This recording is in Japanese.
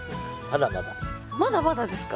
まだまだですか？